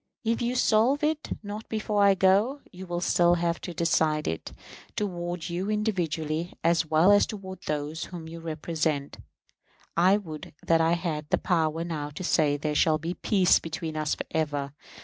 If you solve it not before I go, you will have still to decide it. Toward you individually, as well as to those whom you represent, I would that I had the power now to say there shall be peace between us for ever.